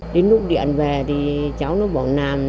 đến lúc điện về thì cháu nó bỏ nàm